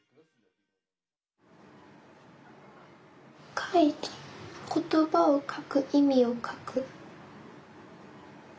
書いた言葉を書く意味を書く。